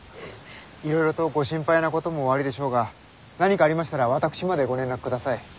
いろいろとご心配なこともおありでしょうが何かありましたら私までご連絡ください。